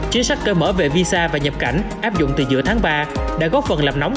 chính sách cơ mở về visa và nhập cảnh áp dụng từ giữa tháng ba đã góp phần làm nóng